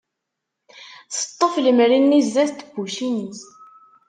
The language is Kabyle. Teṭṭef lemri-nni sdat n tebbucin-is.